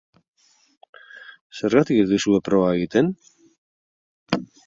Zergatik ez duzue proba egiten?